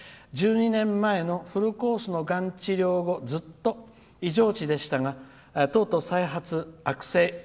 １２年前のフルコースのがん治療後ずっと異常値でしたがとうとう再発、悪性。